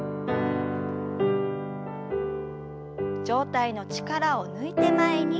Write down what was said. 上体の力を抜いて前に。